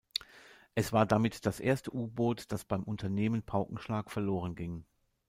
Es war damit das erste U-Boot, das beim Unternehmen Paukenschlag verlorenging.